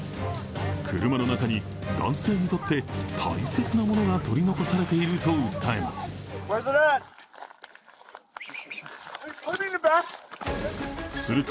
車の中に男性にとって大切なものが取り残されていると訴えます。